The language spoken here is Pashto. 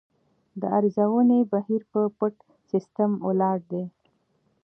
د ارزونې بهیر په پټ سیستم ولاړ دی.